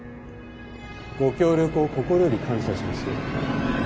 ご協力を心より感謝しますよ